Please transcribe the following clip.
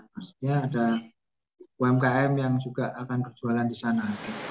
maksudnya ada umkm yang juga akan berjualan disana